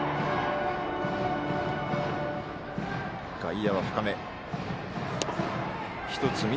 外野は深め。